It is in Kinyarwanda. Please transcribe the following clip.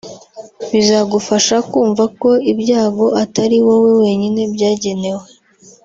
bizagufasha kumva ko ibyago atari wowe wenyine byagenewe